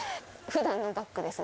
普段のバッグです